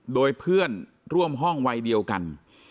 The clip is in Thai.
โดยเพื่อนร่วมห้องวัยเดียวกัน